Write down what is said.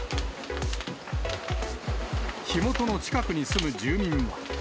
火元の近くに住む住民は。